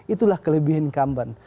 itulah kelebihan incumbent